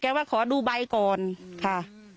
ว่าขอดูใบก่อนค่ะ